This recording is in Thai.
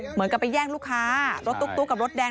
เหมือนกับไปแย่งลูกค้ารถตุ๊กกับรถแดง